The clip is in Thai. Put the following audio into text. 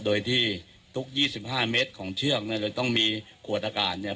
โดยที่ทุกยี่สิบห้าเมตรของเชือกเนี่ยเราต้องมีขวดอากาศเนี่ย